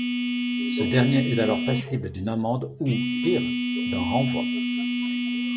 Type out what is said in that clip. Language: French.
Ce dernier est alors passible d'une amende ou, pire, d'un renvoi.